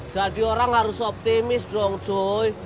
jadi orang harus optimis dong cuy